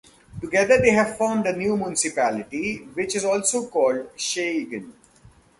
Together they have formed a new municipality, which is also called Schagen.